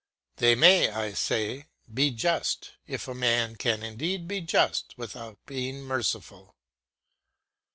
They may, I say, be just, if a man can indeed be just without being merciful.